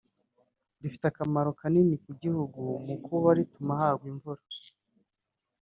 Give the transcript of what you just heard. rifite akamaro kanini ku gihugu mu kuba rituma hagwa imvura